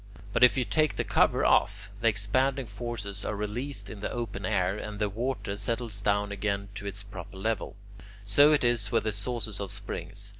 But if you take the cover off, the expanding forces are released into the open air, and the water settles down again to its proper level. So it is with the sources of springs.